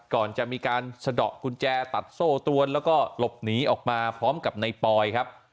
ก่อนจะมีการสะดอกกุญแจตัดโซ่ตวนแล้วก็หลบหนีออกมาพร้อมกับในปอยครับ